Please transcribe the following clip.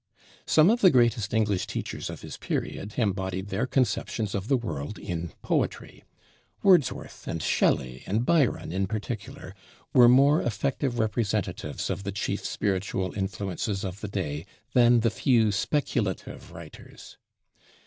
Some of the greatest English teachers of his period embodied their conceptions of the world in poetry. Wordsworth and Shelley and Byron, in particular, were more effective representatives of the chief spiritual influences of the day than the few speculative writers.